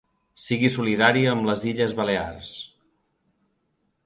Sigui solidària amb les Illes Balears